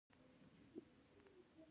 کلي د افغانانو د ګټورتیا یوه برخه ده.